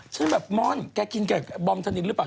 ฉันก็แบบม่อนแกกินกับบอมธนินหรือเปล่า